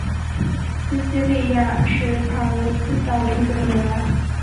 西西莉亚是帕罗斯岛领主的女儿。